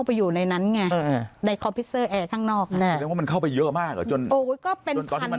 บางทีมันเป็นก็ออก